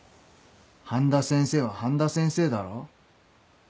半田先生は半田先生だろ？